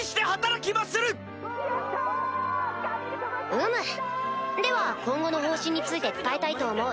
・うむでは今後の方針について伝えたいと思う。